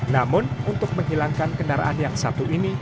namun untuk menghilangkan kendaraan yang satu ini